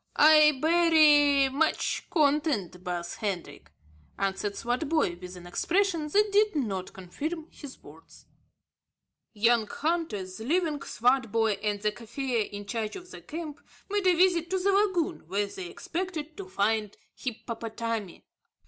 "I berry much content, Baas Hendrik," answered Swartboy, with an expression that did not confirm his words. That day the young hunters, leaving Swartboy and the Kaffir in charge of the camp, made a visit to the lagoon, where they expected to find hippopotami.